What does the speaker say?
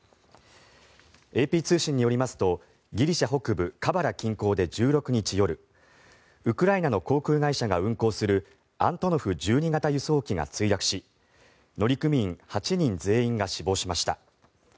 ＡＰ通信によりますとギリシャ北部カバラ近郊で１６日夜ウクライナの航空会社が運航するアントノフ１２型輸送機が墜落し乗組員８人全員が死亡しました。